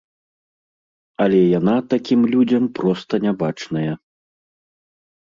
Але яна такім людзям проста не бачная.